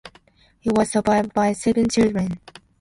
He was survived by seven children.